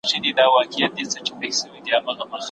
واکمنان به د قدرت زياتولو هڅه ونه دروي.